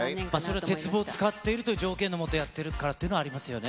それは鉄棒を使っている条件のもと、やってるからっていうのはありますよね。